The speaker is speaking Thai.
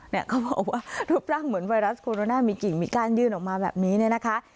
เขาบอกว่ารูปร่างเหมือนไวรัสโคโรนามีกิ่งมีการยื่นออกมาแบบนี้เนี่ยนะคะ